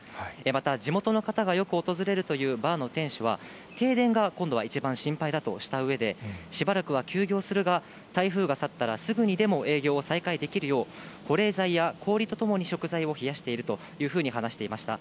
また、地元の方がよく訪れるというバーの店主は、停電が、今度は一番心配だとしたうえで、しばらくは休業するが、台風が去ったら、すぐにでも営業を再開できるよう、保冷剤や氷と共に食材を冷やしているというふうに話していました。